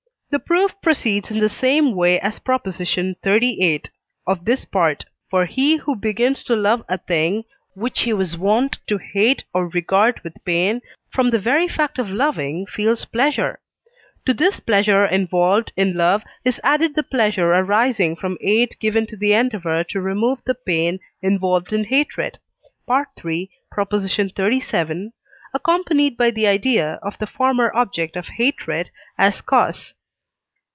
The proof proceeds in the same way as Prop. xxxviii. of this Part: for he who begins to love a thing, which he was wont to hate or regard with pain, from the very fact of loving feels pleasure. To this pleasure involved in love is added the pleasure arising from aid given to the endeavour to remove the pain involved in hatred (III. xxxvii.), accompanied by the idea of the former object of hatred as cause.